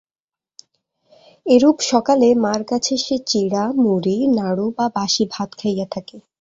এরূপ সকালে মার কাছে সে চিড়া, মুড়ি, নাড়ু বা বাসি-ভাত খাইয়া থাকে।